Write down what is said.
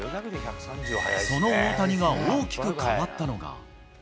その大谷が大きく変わったのが。